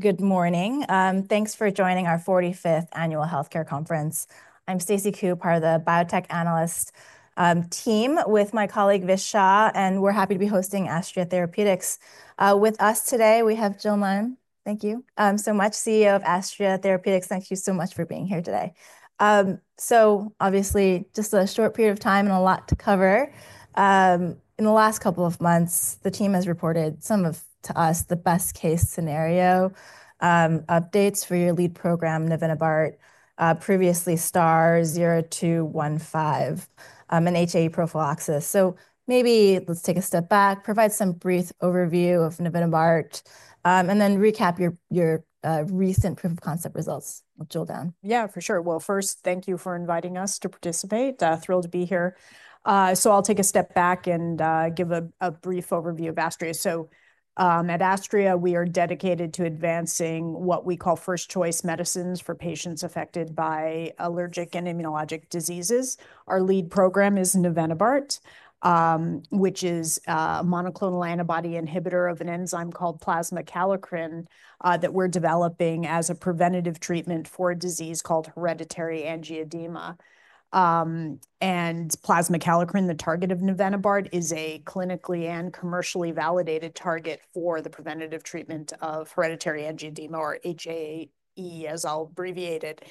Good morning. Thanks for joining our 45th Annual Healthcare Conference. I'm Stacy Ku, part of the Biotech Analyst team with my colleague Vish Shah, and we're happy to be hosting Astria Therapeutics. With us today, we have Jill Milne. Thank you so much, CEO of Astria Therapeutics. Thank you so much for being here today. Obviously, just a short period of time and a lot to cover. In the last couple of months, the team has reported some of, to us, the best-case scenario updates for your lead program, Navenibart, previously STAR-0215, and HAE prophylaxis. Maybe let's take a step back, provide some brief overview of Navenibart, and then recap your recent proof of concept results. We'll drill down. Yeah, for sure. First, thank you for inviting us to participate. Thrilled to be here. I'll take a step back and give a brief overview of Astria. At Astria, we are dedicated to advancing what we call first-choice medicines for patients affected by allergic and immunologic diseases. Our lead program is Navenibart, which is a monoclonal antibody inhibitor of an enzyme called plasma kallikrein that we're developing as a preventative treatment for a disease called hereditary angioedema. Plasma kallikrein, the target of Navenibart, is a clinically and commercially validated target for the preventative treatment of hereditary angioedema, or HAE, as I'll abbreviate it.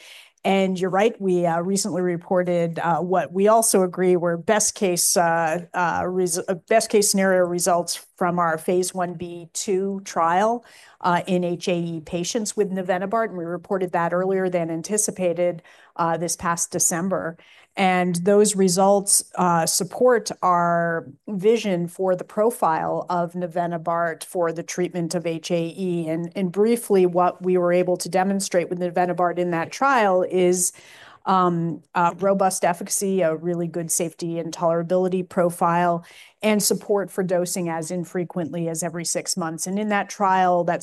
You're right, we recently reported what we also agree were best-case scenario results from our phase 1b/2 trial in HAE patients with Navenibart, and we reported that earlier than anticipated this past December. Those results support our vision for the profile of Navenibart for the treatment of HAE. Briefly, what we were able to demonstrate with Navenibart in that trial is robust efficacy, a really good safety and tolerability profile, and support for dosing as infrequently as every six months. In that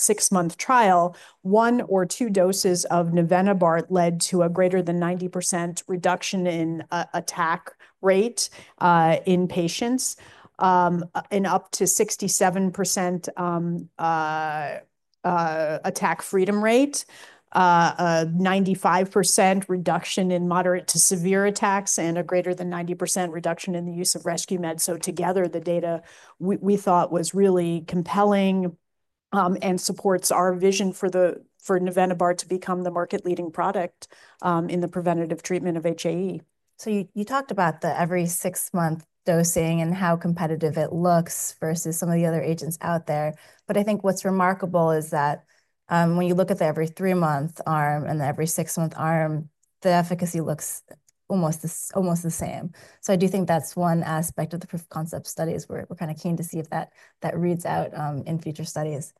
six-month trial, one or two doses of Navenibart led to a greater than 90% reduction in attack rate in patients and up to 67% attack freedom rate, a 95% reduction in moderate to severe attacks, and a greater than 90% reduction in the use of rescue meds. Together, the data we thought was really compelling and supports our vision for Navenibart to become the market-leading product in the preventative treatment of HAE. You talked about the every six-month dosing and how competitive it looks versus some of the other agents out there. I think what's remarkable is that when you look at the every three-month arm and the every six-month arm, the efficacy looks almost the same. I do think that's one aspect of the proof of concept studies. We're kind of keen to see if that reads out in future studies.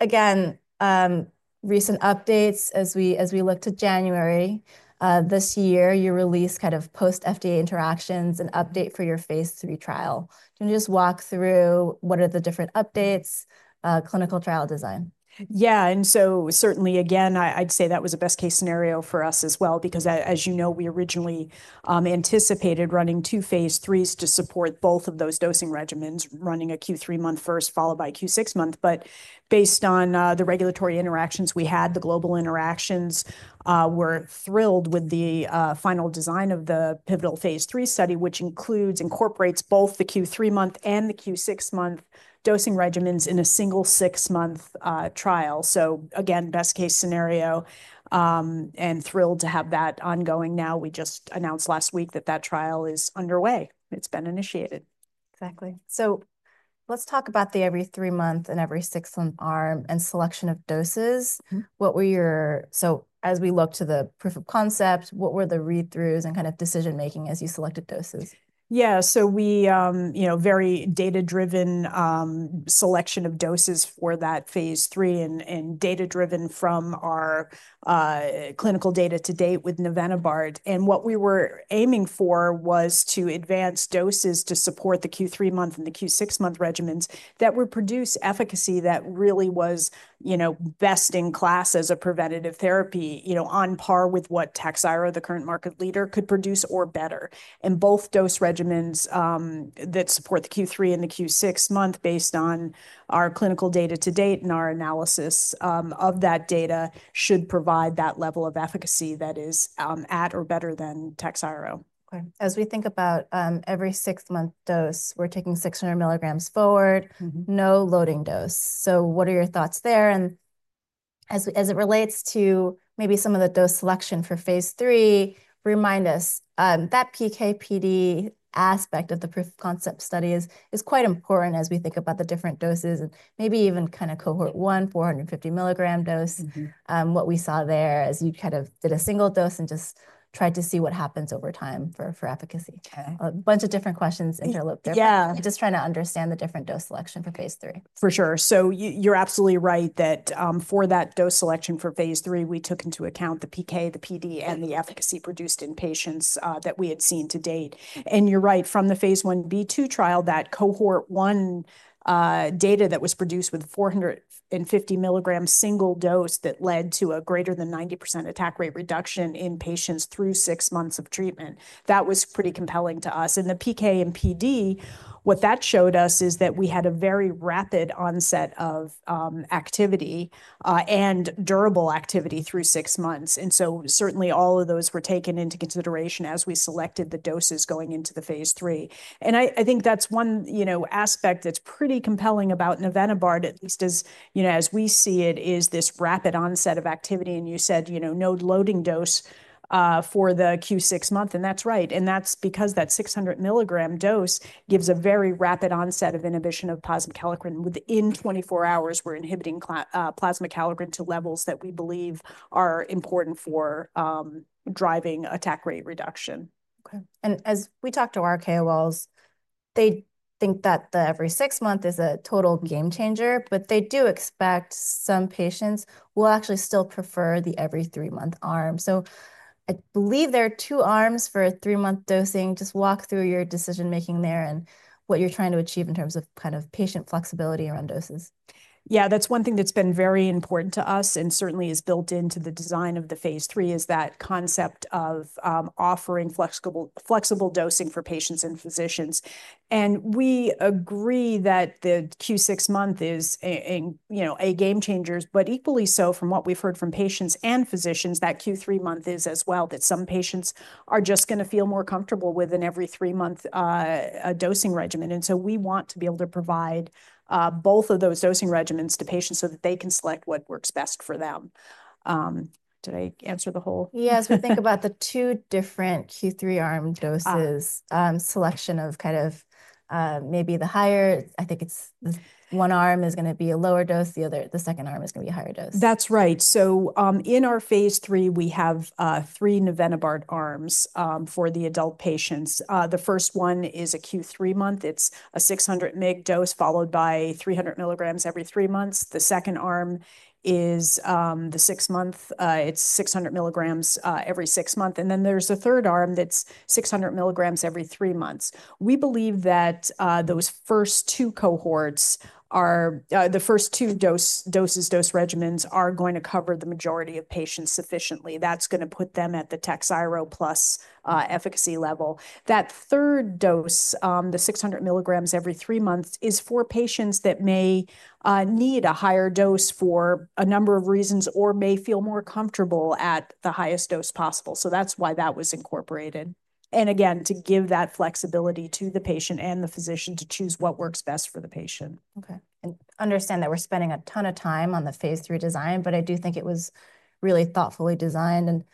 Again, recent updates, as we look to January this year, you released kind of post-FDA interactions and update for your phase III trial. Can you just walk through what are the different updates, clinical trial design? Yeah, and so certainly, again, I'd say that was a best-case scenario for us as well, because as you know, we originally anticipated running two phase IIIs to support both of those dosing regimens, running a Q3 month first, followed by Q6 month. But based on the regulatory interactions we had, the global interactions, we're thrilled with the final design of the pivotal phase III study, which incorporates both the Q3 month and the Q6 month dosing regimens in a single six-month trial. Again, best-case scenario, and thrilled to have that ongoing now. We just announced last week that that trial is underway. It's been initiated. Exactly. Let's talk about the every three-month and every six-month arm and selection of doses. As we look to the proof of concept, what were the read-throughs and kind of decision-making as you selected doses? Yeah, so we very data-driven selection of doses for that phase III and data-driven from our clinical data to date with Navenibart. What we were aiming for was to advance doses to support the Q3 month and the Q6 month regimens that would produce efficacy that really was best in class as a preventative therapy on par with what Takhzyro, the current market leader, could produce or better. Both dose regimens that support the Q3 and the Q6 month, based on our clinical data to date and our analysis of that data, should provide that level of efficacy that is at or better than Takhzyro. As we think about every six-month dose, we're taking 600 milligrams forward, no loading dose. What are your thoughts there? As it relates to maybe some of the dose selection for phase III, remind us that PK/PD aspect of the proof of concept study is quite important as we think about the different doses and maybe even kind of cohort one, 450 milligram dose, what we saw there as you kind of did a single dose and just tried to see what happens over time for efficacy. A bunch of different questions interlooped there. Just trying to understand the different dose selection for phase III. For sure. You're absolutely right that for that dose selection for phase III, we took into account the PK, the PD, and the efficacy produced in patients that we had seen to date. You're right, from the phase 1b/2 trial, that cohort one data that was produced with 450 milligrams single dose that led to a greater than 90% attack rate reduction in patients through six months of treatment. That was pretty compelling to us. The PK and PD, what that showed us is that we had a very rapid onset of activity and durable activity through six months. Certainly, all of those were taken into consideration as we selected the doses going into the phase III. I think that's one aspect that's pretty compelling about Navenibart, at least as we see it, is this rapid onset of activity. You said no loading dose for the Q6 month, and that's right. That's because that 600 milligram dose gives a very rapid onset of inhibition of plasma kallikrein. Within 24 hours, we're inhibiting plasma kallikrein to levels that we believe are important for driving attack rate reduction. As we talk to our KOLs, they think that the every six month is a total game changer, but they do expect some patients will actually still prefer the every three-month arm. I believe there are two arms for a three-month dosing. Just walk through your decision-making there and what you're trying to achieve in terms of kind of patient flexibility around doses. Yeah, that's one thing that's been very important to us and certainly is built into the design of the phase III is that concept of offering flexible dosing for patients and physicians. We agree that the Q6 month is a game changer, but equally so from what we've heard from patients and physicians, that Q3 month is as well, that some patients are just going to feel more comfortable with an every three-month dosing regimen. We want to be able to provide both of those dosing regimens to patients so that they can select what works best for them. Did I answer the whole? Yeah, as we think about the two different Q3 arm doses, selection of kind of maybe the higher, I think it's one arm is going to be a lower dose, the second arm is going to be a higher dose. That's right. In our phase III, we have three Navenibart arms for the adult patients. The first one is a Q3 month. It's a 600 mg dose followed by 300 milligrams every three months. The second arm is the six-month, it's 600 milligrams every six months. There is a third arm that's 600 milligrams every three months. We believe that those first two cohorts, the first two dose regimens, are going to cover the majority of patients sufficiently. That's going to put them at the Takhzyro plus efficacy level. That third dose, the 600 milligrams every three months, is for patients that may need a higher dose for a number of reasons or may feel more comfortable at the highest dose possible. That's why that was incorporated. To give that flexibility to the patient and the physician to choose what works best for the patient. I understand that we're spending a ton of time on the phase III design, but I do think it was really thoughtfully designed.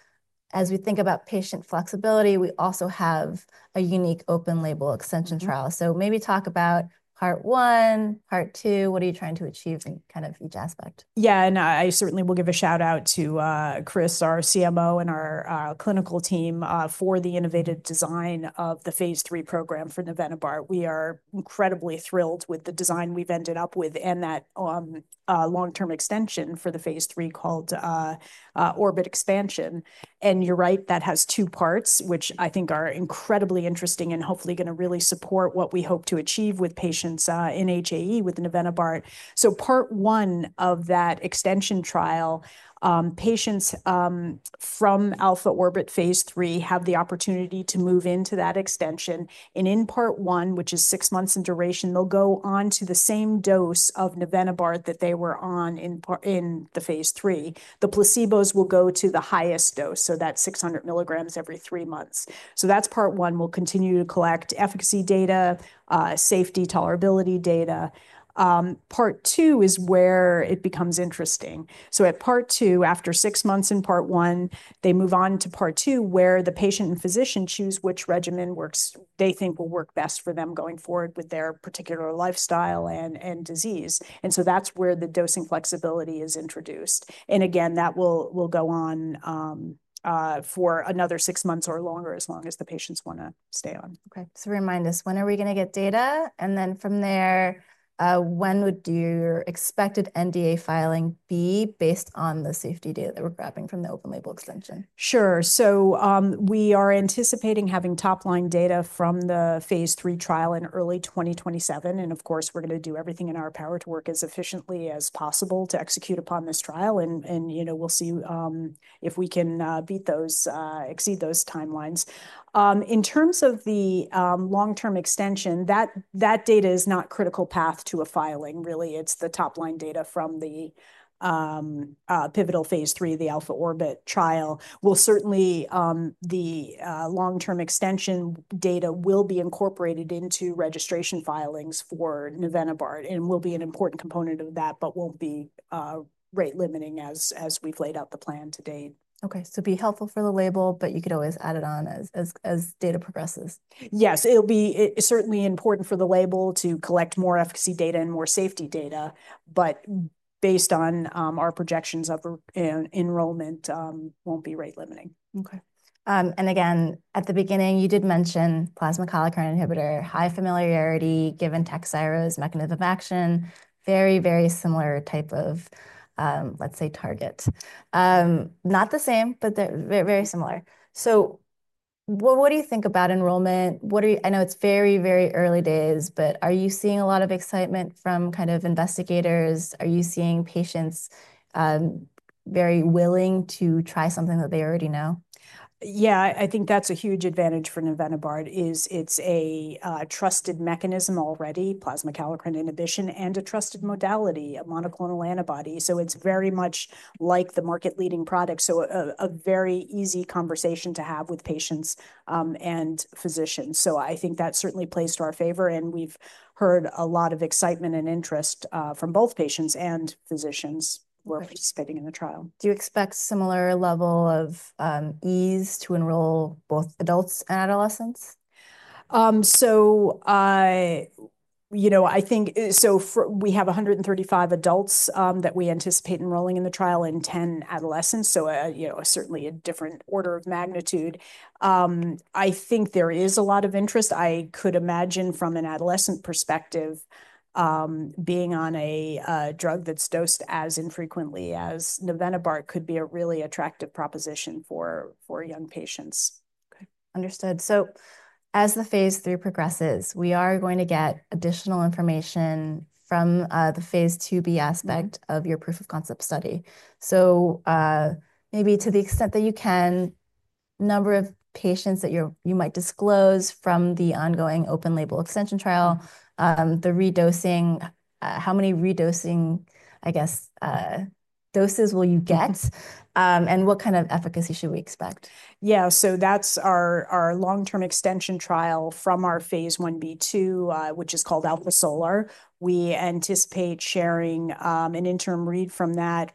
As we think about patient flexibility, we also have a unique open label extension trial. Maybe talk about part one, part two, what are you trying to achieve in kind of each aspect? Yeah, and I certainly will give a shout out to Chris, our CMO, and our clinical team for the innovative design of the phase III program for Navenibart. We are incredibly thrilled with the design we've ended up with and that long-term extension for the phase III called Orbit Expansion. You are right, that has two parts, which I think are incredibly interesting and hopefully going to really support what we hope to achieve with patients in HAE with Navenibart. Part one of that extension trial, patients from ALPHA ORBIT phase III have the opportunity to move into that extension. In part one, which is six months in duration, they'll go on to the same dose of Navenibart that they were on in the phase III. The placebos will go to the highest dose, so that's 600 milligrams every three months. That's part one. We'll continue to collect efficacy data, safety, tolerability data. Part two is where it becomes interesting. At part two, after six months in part one, they move on to part two where the patient and physician choose which regimen they think will work best for them going forward with their particular lifestyle and disease. That's where the dosing flexibility is introduced. That will go on for another six months or longer, as long as the patients want to stay on. Remind us, when are we going to get data? And then from there, when would your expected NDA filing be based on the safety data that we're grabbing from the open label extension? Sure. We are anticipating having top-line data from the phase III trial in early 2027. Of course, we're going to do everything in our power to work as efficiently as possible to execute upon this trial. We'll see if we can beat those, exceed those timelines. In terms of the long-term extension, that data is not critical path to a filing, really. It's the top-line data from the pivotal phase III, the ALPHA ORBIT trial. Certainly, the long-term extension data will be incorporated into registration filings for Navenibart and will be an important component of that, but won't be rate limiting as we've laid out the plan to date. Okay, it would be helpful for the label, but you could always add it on as data progresses. Yes, it'll be certainly important for the label to collect more efficacy data and more safety data. Based on our projections of enrollment, won't be rate limiting. At the beginning, you did mention plasma kallikrein inhibitor, high familiarity given Takhzyro's mechanism of action, very, very similar type of, let's say, target. Not the same, but very similar. What do you think about enrollment? I know it's very, very early days, but are you seeing a lot of excitement from kind of investigators? Are you seeing patients very willing to try something that they already know? Yeah, I think that's a huge advantage for Navenibart. It's a trusted mechanism already, plasma kallikrein inhibition, and a trusted modality, a monoclonal antibody. It's very much like the market-leading product. A very easy conversation to have with patients and physicians. I think that certainly plays to our favor. We've heard a lot of excitement and interest from both patients and physicians who are participating in the trial. Do you expect similar level of ease to enroll both adults and adolescents? I think we have 135 adults that we anticipate enrolling in the trial and 10 adolescents. Certainly a different order of magnitude. I think there is a lot of interest. I could imagine from an adolescent perspective, being on a drug that's dosed as infrequently as Navenibart could be a really attractive proposition for young patients. Understood. As the phase III progresses, we are going to get additional information from the phase II B aspect of your proof of concept study. Maybe to the extent that you can, number of patients that you might disclose from the ongoing open label extension trial, the redosing, how many redosing, I guess, doses will you get? What kind of efficacy should we expect? Yeah, so that's our long-term extension trial from our phase 1b/2, which is called Alpha Solar. We anticipate sharing an interim read from that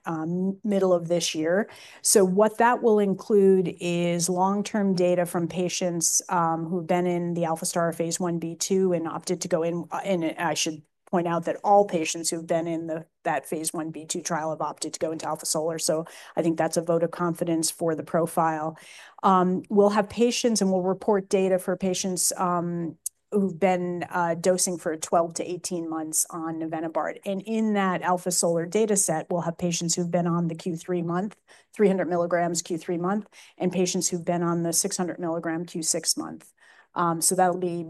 middle of this year. What that will include is long-term data from patients who've been in the Alpha Star phase 1b/2 and opted to go in. I should point out that all patients who've been in that phase 1b/2 trial have opted to go into Alpha Solar. I think that's a vote of confidence for the profile. We'll have patients and we'll report data for patients who've been dosing for 12 to 18 months on Navenibart. In that Alpha Solar data set, we'll have patients who've been on the Q3 month, 300 milligrams Q3 month, and patients who've been on the 600 milligram Q6 month. That'll be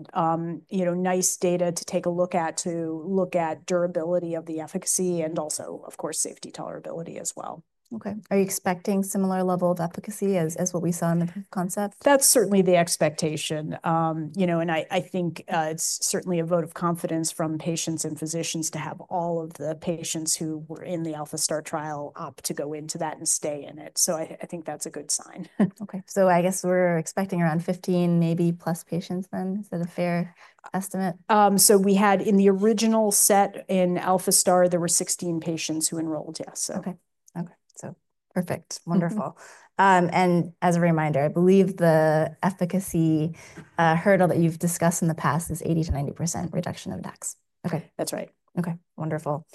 nice data to take a look at to look at durability of the efficacy and also, of course, safety tolerability as well. Are you expecting similar level of efficacy as what we saw in the proof of concept? That's certainly the expectation. I think it's certainly a vote of confidence from patients and physicians to have all of the patients who were in the Alpha Star trial opt to go into that and stay in it. I think that's a good sign. I guess we're expecting around 15 maybe plus patients then. Is that a fair estimate? We had in the original set in Alpha Star, there were 16 patients who enrolled, yes. Perfect. Wonderful. As a reminder, I believe the efficacy hurdle that you've discussed in the past is 80-90% reduction of DAX. That's right. Wonderful.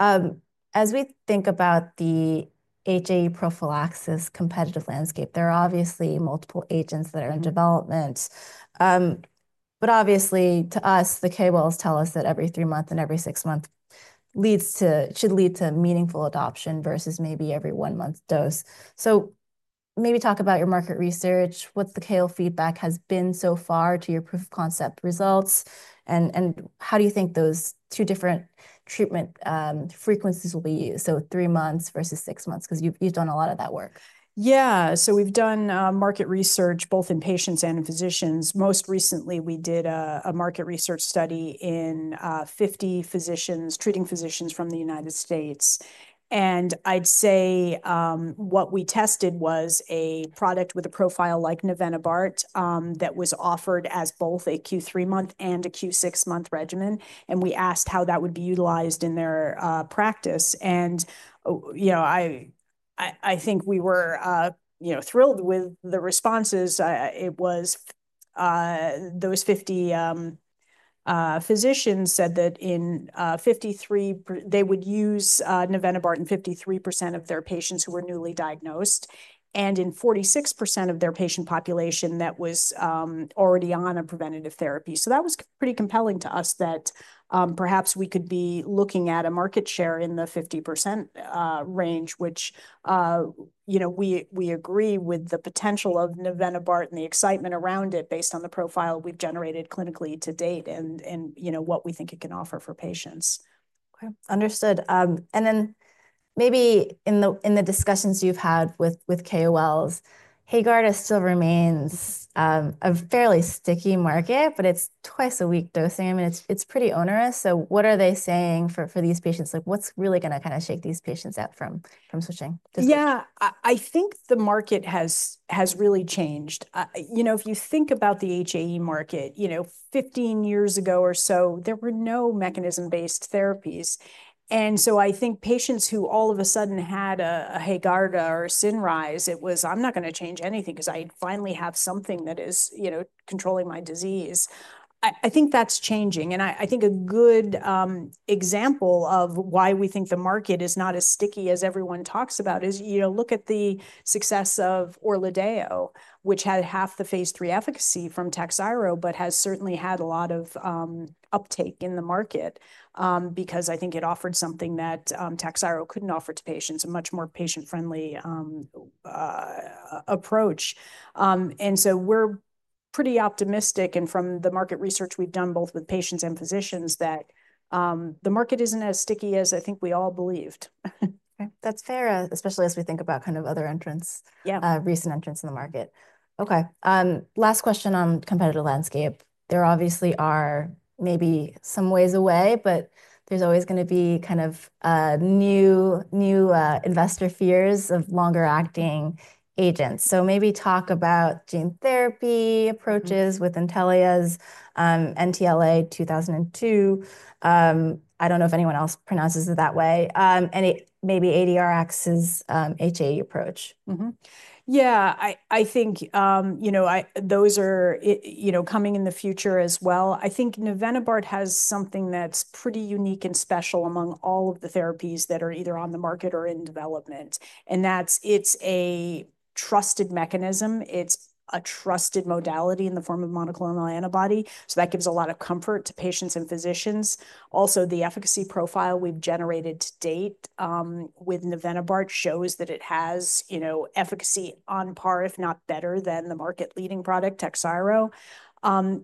As we think about the HAE prophylaxis competitive landscape, there are obviously multiple agents that are in development. Obviously, to us, the KOLs tell us that every three months and every six months should lead to meaningful adoption versus maybe every one month dose. Maybe talk about your market research, what the KOL feedback has been so far to your proof of concept results, and how do you think those two different treatment frequencies will be used? Three months versus six months because you've done a lot of that work. Yeah, so we've done market research both in patients and in physicians. Most recently, we did a market research study in 50 treating physicians from the United States. I'd say what we tested was a product with a profile like Navenibart that was offered as both a Q3 month and a Q6 month regimen. We asked how that would be utilized in their practice. I think we were thrilled with the responses. Those 50 physicians said that they would use Navenibart in 53% of their patients who were newly diagnosed and in 46% of their patient population that was already on a preventative therapy. That was pretty compelling to us that perhaps we could be looking at a market share in the 50% range, which we agree with the potential of Navenibart and the excitement around it based on the profile we've generated clinically to date and what we think it can offer for patients. Understood. In the discussions you've had with KOLs, HAEGARDA still remains a fairly sticky market, but it's twice a week dosing, and it's pretty onerous. What are they saying for these patients? What's really going to kind of shake these patients up from switching? Yeah, I think the market has really changed. If you think about the HAE market, 15 years ago or so, there were no mechanism-based therapies. I think patients who all of a sudden had a HAEGARDA or a CINRYZE, it was, I'm not going to change anything because I finally have something that is controlling my disease. I think that's changing. I think a good example of why we think the market is not as sticky as everyone talks about is look at the success of Orladeyo, which had half the phase III efficacy from Takhzyro but has certainly had a lot of uptake in the market because I think it offered something that Takhzyro couldn't offer to patients, a much more patient-friendly approach. We're pretty optimistic. From the market research we've done both with patients and physicians, the market isn't as sticky as I think we all believed. That's fair, especially as we think about kind of other recent entrants in the market. Last question on competitive landscape. There obviously are maybe some ways away, but there's always going to be kind of new investor fears of longer-acting agents. Maybe talk about gene therapy approaches with Intellia's NTLA-2002. I don't know if anyone else pronounces it that way. Maybe ADRX's HAE approach. Yeah, I think those are coming in the future as well. I think Navenibart has something that's pretty unique and special among all of the therapies that are either on the market or in development. It's a trusted mechanism. It's a trusted modality in the form of monoclonal antibody. That gives a lot of comfort to patients and physicians. Also, the efficacy profile we've generated to date with Navenibart shows that it has efficacy on par, if not better, than the market-leading product, Takhzyro.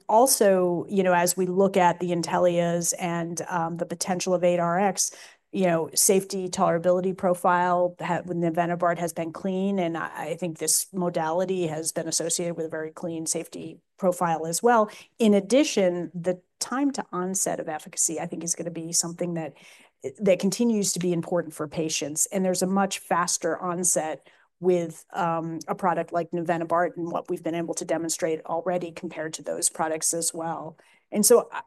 Also, as we look at the Intellia's and the potential of NTLA-2002, safety tolerability profile with Navenibart has been clean. I think this modality has been associated with a very clean safety profile as well. In addition, the time to onset of efficacy, I think, is going to be something that continues to be important for patients. There is a much faster onset with a product like Navenibart and what we have been able to demonstrate already compared to those products as well.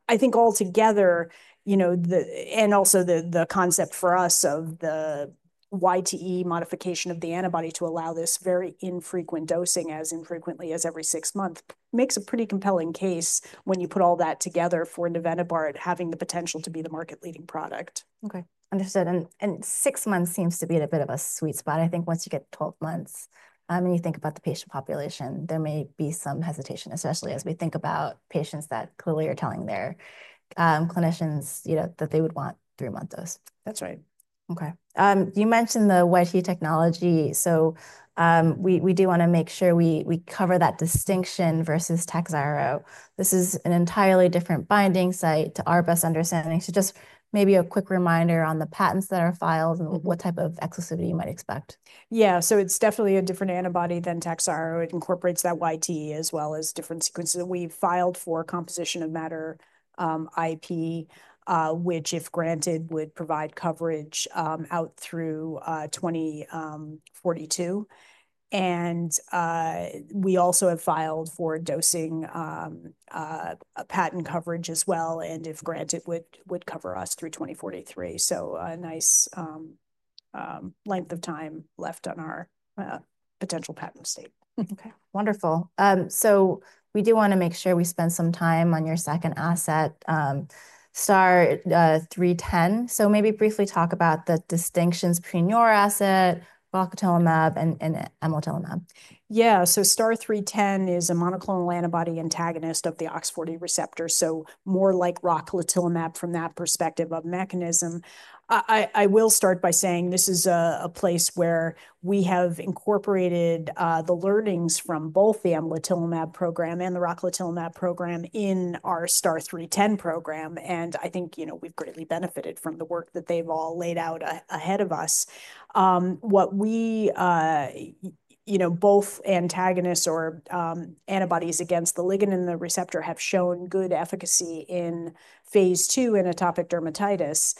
I think altogether, and also the concept for us of the YTE modification of the antibody to allow this very infrequent dosing as infrequently as every six months makes a pretty compelling case when you put all that together for Navenibart having the potential to be the market-leading product. Understood. Six months seems to be a bit of a sweet spot. I think once you get 12 months and you think about the patient population, there may be some hesitation, especially as we think about patients that clearly are telling their clinicians that they would want three-month dose. That's right. You mentioned the YTE technology. We do want to make sure we cover that distinction versus Takhzyro. This is an entirely different binding site to our best understanding. Just maybe a quick reminder on the patents that are filed and what type of exclusivity you might expect. Yeah, so it's definitely a different antibody than Takhzyro. It incorporates that YTE as well as different sequences that we've filed for composition of matter IP, which, if granted, would provide coverage out through 2042. We also have filed for dosing patent coverage as well. If granted, would cover us through 2043. A nice length of time left on our potential patent estate. Wonderful. We do want to make sure we spend some time on your second asset, STAR-310. Maybe briefly talk about the distinctions between your asset, Rocatinlimab, and Amlitelimab.. Yeah, STAR-310 is a monoclonal antibody antagonist of the OX40 receptor. More like Rocatinlimab from that perspective of mechanism. I will start by saying this is a place where we have incorporated the learnings from both the Amlitelimab. program and the Rocatinlimab program in our STAR-310 program. I think we've greatly benefited from the work that they've all laid out ahead of us. Both antagonists or antibodies against the ligand and the receptor have shown good efficacy in phase II in atopic dermatitis.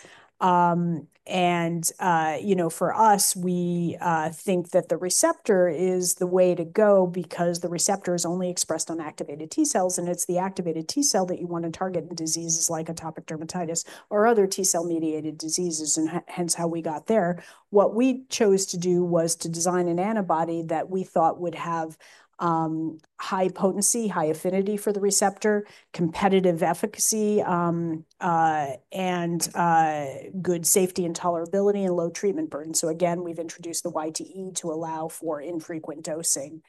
For us, we think that the receptor is the way to go because the receptor is only expressed on activated T cells. It's the activated T cell that you want to target in diseases like atopic dermatitis or other T cell mediated diseases, and hence how we got there. What we chose to do was to design an antibody that we thought would have high potency, high affinity for the receptor, competitive efficacy, and good safety and tolerability and low treatment burden. Again, we've introduced the YTE to allow for infrequent dosing.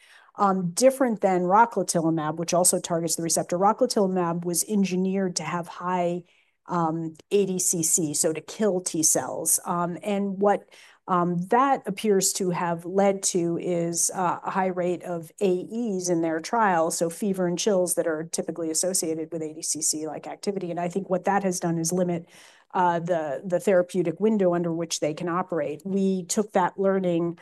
Different than Rocatinlimab, which also targets the receptor, Rocatinlimab was engineered to have high ADCC, so to kill T cells. What that appears to have led to is a high rate of AEs in their trial, so fever and chills that are typically associated with ADCC-like activity. I think what that has done is limit the therapeutic window under which they can operate. We took that learning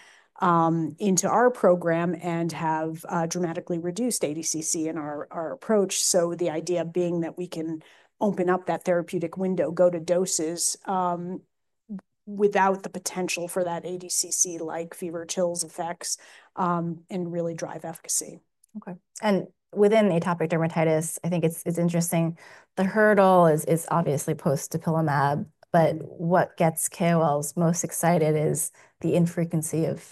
into our program and have dramatically reduced ADCC in our approach. The idea being that we can open up that therapeutic window, go to doses without the potential for that ADCC-like fever chills effects and really drive efficacy. Within atopic dermatitis, I think it's interesting. The hurdle is obviously post-tapillamab, but what gets KOLs most excited is the infrequency of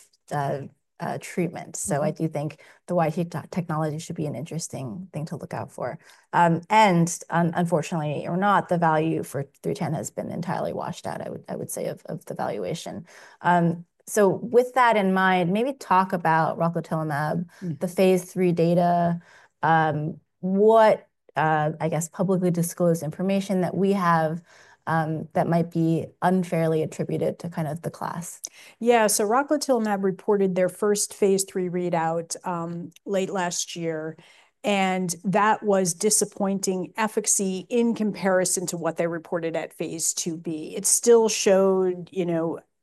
treatment. I do think the YTE technology should be an interesting thing to look out for. Unfortunately or not, the value for 310 has been entirely washed out, I would say, of the valuation. With that in mind, maybe talk about Rocatinlimab, the phase III data, what I guess publicly disclosed information that we have that might be unfairly attributed to kind of the class. Yeah, so Rocatinlimab reported their first phase III readout late last year. That was disappointing efficacy in comparison to what they reported at phase II B. It still showed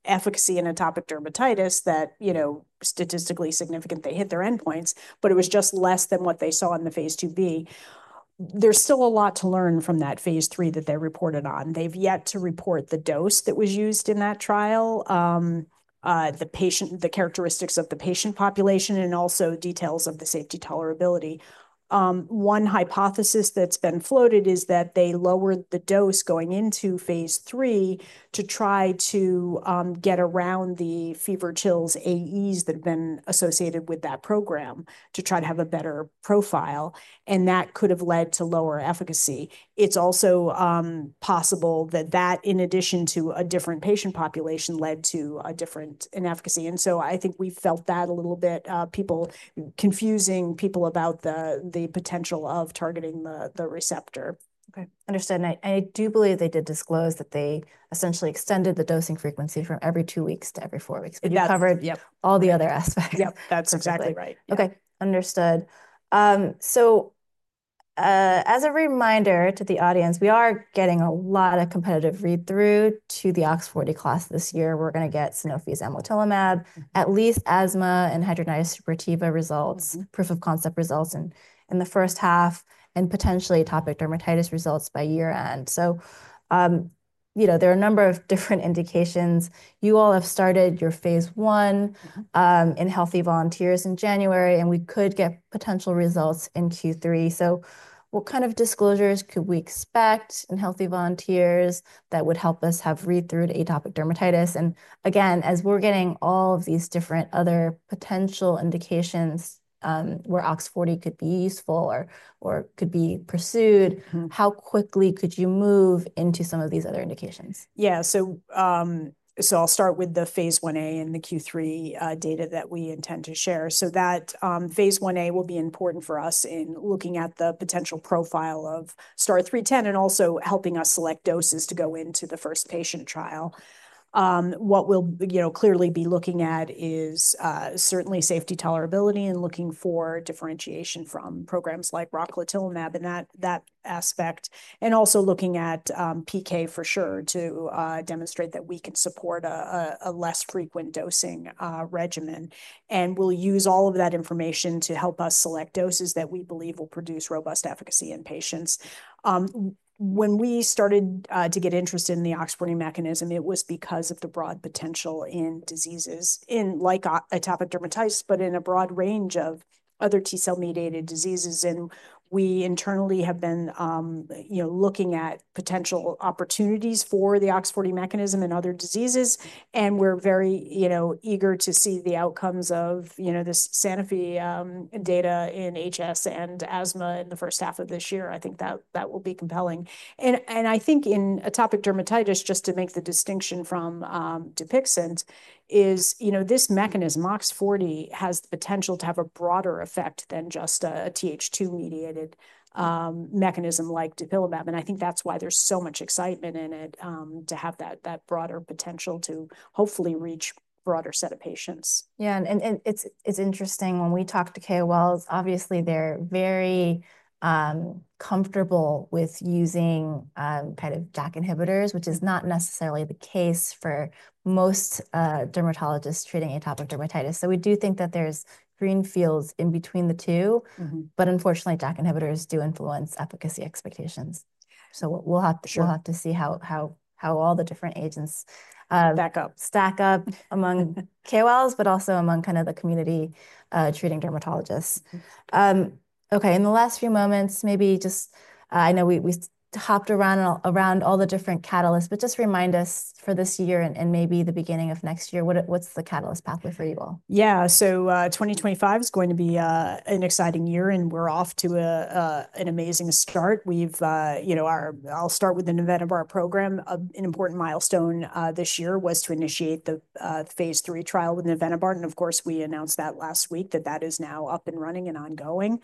efficacy in atopic dermatitis that was statistically significant, they hit their endpoints, but it was just less than what they saw in the phase II B. There's still a lot to learn from that phase III that they reported on. They've yet to report the dose that was used in that trial, the characteristics of the patient population, and also details of the safety tolerability. One hypothesis that's been floated is that they lowered the dose going into phase III to try to get around the fever chills, AEs that have been associated with that program to try to have a better profile. That could have led to lower efficacy. It's also possible that, in addition to a different patient population, led to a different inefficacy. I think we felt that a little bit, people confusing people about the potential of targeting the receptor. Understood. I do believe they did disclose that they essentially extended the dosing frequency from every two weeks to every four weeks. You covered all the other aspects. Yep, that's exactly right. Understood. As a reminder to the audience, we are getting a lot of competitive read-through to the OX40 class this year. We are going to get Sanofi's Amlitelimab., at least asthma and hidradenitis suppurativa results, proof of concept results in the first half, and potentially atopic dermatitis results by year-end. There are a number of different indications. You all have started your phase I in healthy volunteers in January, and we could get potential results in Q3. What kind of disclosures could we expect in healthy volunteers that would help us have read-through to atopic dermatitis? Again, as we are getting all of these different other potential indications where OX40 could be useful or could be pursued, how quickly could you move into some of these other indications? Yeah, I'll start with the phase I a and the Q3 data that we intend to share. That phase I a will be important for us in looking at the potential profile of STAR-310 and also helping us select doses to go into the first patient trial. What we'll clearly be looking at is certainly safety, tolerability, and looking for differentiation from programs like Rocatinlimab in that aspect. Also looking at PK for sure to demonstrate that we can support a less frequent dosing regimen. We'll use all of that information to help us select doses that we believe will produce robust efficacy in patients. When we started to get interested in the OX40 mechanism, it was because of the broad potential in diseases like atopic dermatitis, but in a broad range of other T cell mediated diseases. We internally have been looking at potential opportunities for the OX40 mechanism in other diseases. We are very eager to see the outcomes of this Sanofi data in HS and asthma in the first half of this year. I think that will be compelling. I think in atopic dermatitis, just to make the distinction from Dupixent, this mechanism, OX40, has the potential to have a broader effect than just a TH2 mediated mechanism like dupilumab. I think that is why there is so much excitement in it to have that broader potential to hopefully reach a broader set of patients. Yeah, and it's interesting when we talk to KOLs, obviously they're very comfortable with using kind of JAK inhibitors, which is not necessarily the case for most dermatologists treating atopic dermatitis. We do think that there's green fields in between the two, but unfortunately, JAK inhibitors do influence efficacy expectations. We will have to see how all the different agents stack up among KOLs, but also among kind of the community treating dermatologists. In the last few moments, maybe just I know we hopped around all the different catalysts, but just remind us for this year and maybe the beginning of next year, what's the catalyst pathway for you all? Yeah, so 2025 is going to be an exciting year, and we're off to an amazing start. I'll start with the Navenibart program. An important milestone this year was to initiate the phase III trial with Navenibart. Of course, we announced that last week that that is now up and running and ongoing.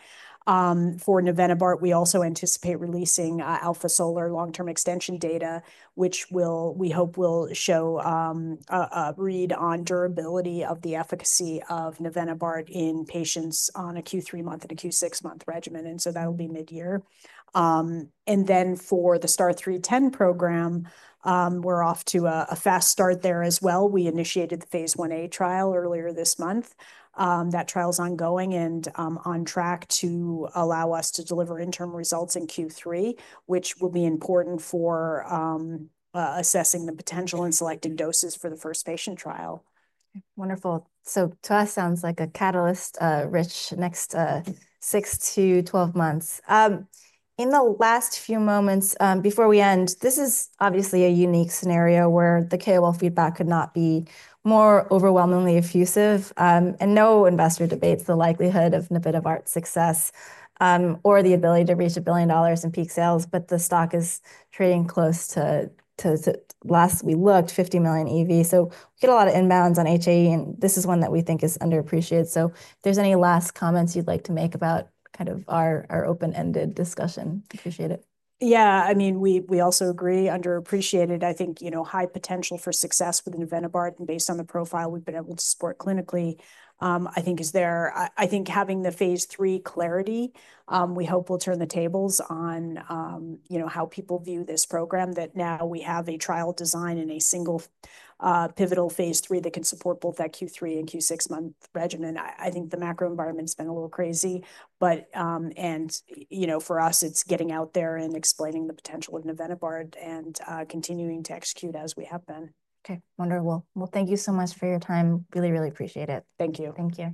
For Navenibart, we also anticipate releasing Alpha Solar long-term extension data, which we hope will show a read on durability of the efficacy of Navenibart in patients on a Q3 month and a Q6 month regimen. That'll be mid-year. For the STAR-0310 program, we're off to a fast start there as well. We initiated the phase I A trial earlier this month. That trial is ongoing and on track to allow us to deliver interim results in Q3, which will be important for assessing the potential and selecting doses for the first patient trial. Wonderful. To us, sounds like a catalyst-rich next six to twelve months. In the last few moments before we end, this is obviously a unique scenario where the KOL feedback could not be more overwhelmingly effusive. No investor debates the likelihood of Navenibart's success or the ability to reach a billion dollars in peak sales, but the stock is trading close to, last we looked, $50 million EV. We get a lot of inbounds on HAE, and this is one that we think is underappreciated. If there's any last comments you'd like to make about kind of our open-ended discussion, appreciate it. Yeah, I mean, we also agree, underappreciated. I think high potential for success with Navenibart and based on the profile we've been able to support clinically, I think is there. I think having the phase III clarity, we hope will turn the tables on how people view this program, that now we have a trial design and a single pivotal phase III that can support both that Q3 and Q6 month regimen. I think the macro environment's been a little crazy. For us, it's getting out there and explaining the potential of Navenibart and continuing to execute as we have been. Okay, wonderful. Thank you so much for your time. Really, really appreciate it. Thank you. Thank you.